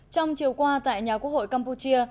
trong chiều qua tại nhà quốc hội campuchia